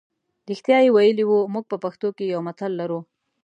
رښتیا یې ویلي وو موږ په پښتو کې یو متل لرو.